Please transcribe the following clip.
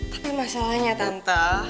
tapi masalahnya tante